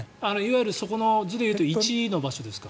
そこの図でいうと１の場所ですか。